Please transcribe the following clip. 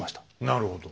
なるほど。